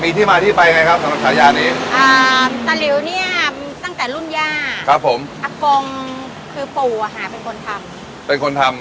มีที่มาที่ไปไงครับสำหรับชายานี้ตะหลิวเนี่ยตั้งแต่รุ่นย่าครับผมอักพรงคือปู่อ่ะฮะเป็นคนทำ